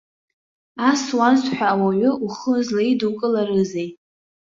Ас уазҳәо ауаҩы ухы злаидукыларызеи!